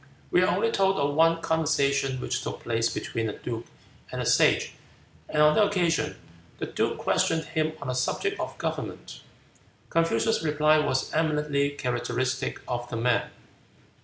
We are only told of one conversation which took place between the duke and the Sage, and on that occasion the duke questioned him on the subject of government. Confucius' reply was eminently characteristic of the man.